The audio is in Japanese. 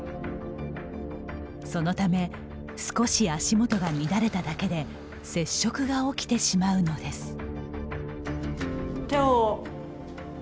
そのため少し足元が乱れただけで接触が起きてしまうのです。